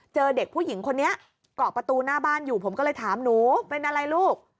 เจอเด็กผู้หญิงคนนี้เกาะประตูหน้าบ้านอยู่ผมก็เลยถามหนูเป็นอะไรลูก